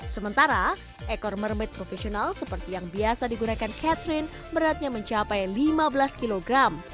sementara ekor mermaid profesional seperti yang biasa digunakan catherine beratnya mencapai lima belas kg